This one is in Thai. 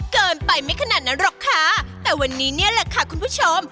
เกินไปไม่ขนาดนั้นหรอกค่ะแต่วันนี้เนี่ยแหละค่ะคุณผู้ชม